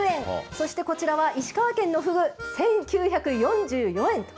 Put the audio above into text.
そしてこちらは石川県のふぐ、１９４４円。